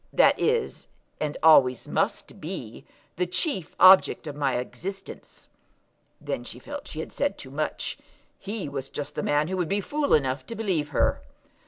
That is, and always must be, the chief object of my existence." Then she felt that she had said too much. He was just the man who would be fool enough to believe her.